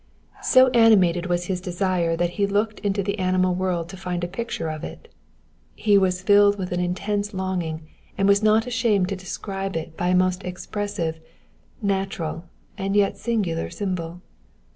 ''^ So animated was his desire that he looked into the animal world to find a picture of it. He was filled with an intense longing, and was not ashamed to describe it by a most expressive, natural, and yet singular symbol.